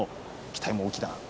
期待が大きな。